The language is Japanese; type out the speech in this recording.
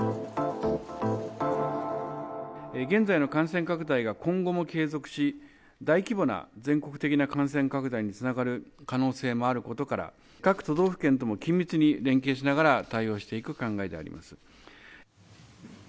現在の感染拡大が今後も継続し、大規模な全国的な感染拡大につながる可能性もあることから、各都道府県とも緊密に連携しながら対応していく考えであります。